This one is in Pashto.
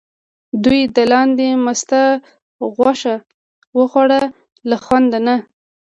دوی د لاندي مسته غوښه وخوړه له خوند نه.